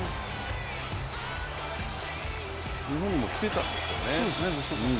日本にも来てたんですね。